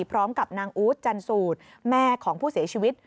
พร้อมกับนางอู๊ดจันสูตรแม่ของผู้เสียชีวิต